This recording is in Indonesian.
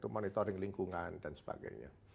monitoring lingkungan dan sebagainya